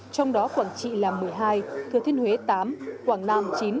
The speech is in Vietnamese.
trong đó quảng trị là một mươi hai thừa thiên huế tám quảng nam chín